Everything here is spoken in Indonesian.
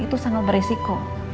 itu sangat berisiko